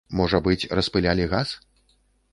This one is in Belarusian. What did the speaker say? Можа быць, распылялі газ?